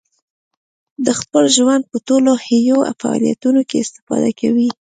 د خپل ژوند په ټولو حیوي فعالیتونو کې استفاده کوي.